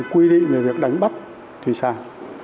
quy định về việc đánh bắt thủy sản